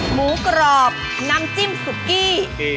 หมูกรอบน้ำจิ้มสุกี้